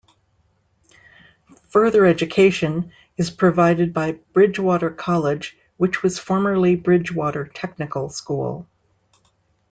Further Education is provided by Bridgwater College which was formerly Bridgwater Technical School.